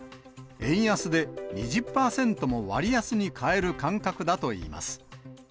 円安で２０％も割安に買える感覚だといいます。